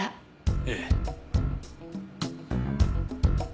ええ。